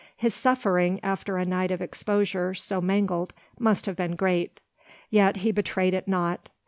His suffering, after a night of exposure so mangled, must have been great; yet he betrayed it not.